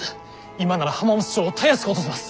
今なら浜松城をたやすく落とせます！